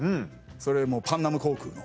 それもうパンナム航空の。